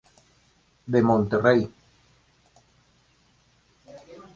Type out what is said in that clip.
De Monterrey.